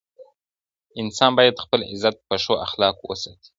انسان بايد خپل عزت په ښو اخلاقو وساتي.